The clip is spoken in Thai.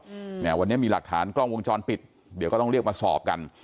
อืมเนี่ยวันนี้มีหลักฐานกล้องวงจรปิดเดี๋ยวก็ต้องเรียกมาสอบกัน